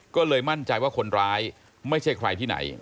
ก็เลยมั่นใจว่าคนร้ายไม่ใช่ใครที่ไหน